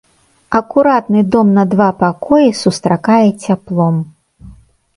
Акуратны дом на два пакоі сустракае цяплом.